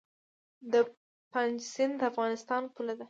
د پنج سیند د افغانستان پوله ده